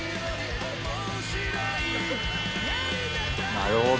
なるほど。